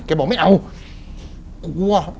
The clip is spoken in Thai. บอกไม่เอากลัว